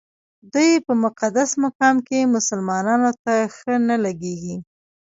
دوی په مقدس مقام کې مسلمانانو ته ښه نه لګېږي.